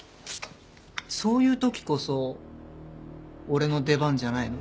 そういう時こそ俺の出番じゃないの？